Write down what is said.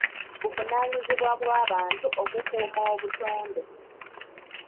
Buvunaanyizibwa bw'abantu okukuuma obutonde.